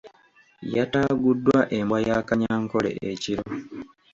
Yataaguddwa embwa ya Kanyankole ekiro.